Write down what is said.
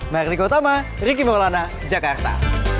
mardika utama riki maulana jakarta